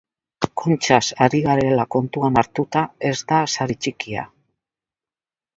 Kontxaz ari garela kontuan hartuta, ez da sari txikia.